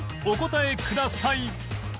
お答えください